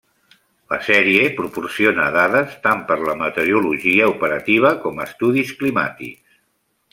La sèrie proporciona dades tant per la meteorologia operativa com estudis climàtics.